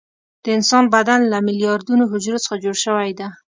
د انسان بدن له میلیاردونو حجرو څخه جوړ شوى ده.